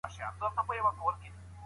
يو هلک څلور قلمان لري.